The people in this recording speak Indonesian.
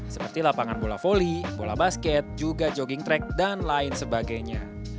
seperti lapangan bola volley bola basket juga jogging track dan lain sebagainya